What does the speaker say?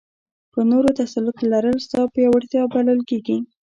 په نورو تسلط لرل ستا پیاوړتیا بلل کېږي.